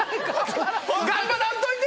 頑張らんといて！